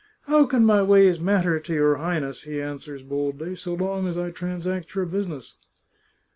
" How can my ways matter to your High ness," he answers boldly, " so long as I transact your business